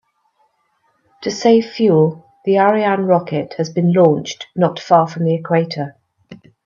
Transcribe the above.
To save fuel, the Ariane rocket has been launched not far from the equator.